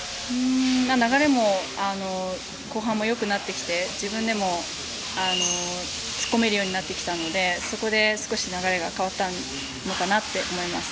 流れも後半よくなってきて自分でも突っ込めるようになってきたのでそこで少し流れが変わったのかなと思います。